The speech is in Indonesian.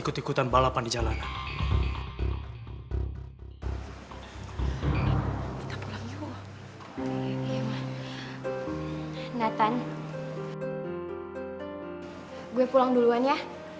gue pulang duluan ya